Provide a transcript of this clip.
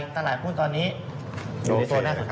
ถูกต้อง